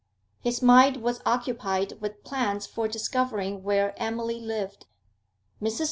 His mind was occupied with plans for discovering where Emily lived. Mrs.